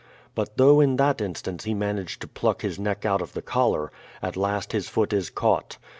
But though in that instance he managed to pluck his neck out of the collar, at last his foot is caught.